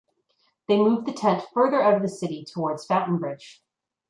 They moved the tent further out of the city towards Fountainbridge.